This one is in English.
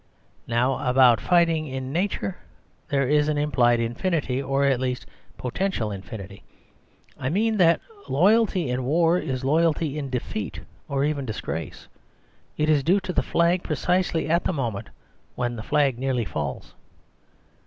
Now about fighting, in its nature, there is an implied infinity, or at least a potential infinity. I mean that loyalty in war is loyalty in defeat or even disgrace ; it is due to the flag precisely at the moment when the flag nearly falls.